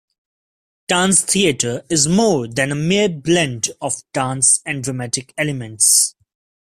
Tanztheater is more than a mere 'blend' of dance and dramatic elements.